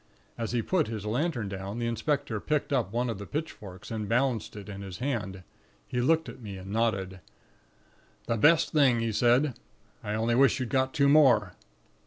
"As he put his lantern down, the inspector picked up one of the pitchforks, and balanced it in his hand; he looked at me, and nodded. "'The best thing,' he said. 'I only wish you'd got two more.'